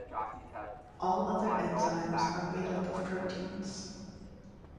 All other enzymes are made up of proteins.